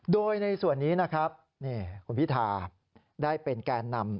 โดยในส่วนนี้นะครับคุณพิธาได้เป็นแกนนำ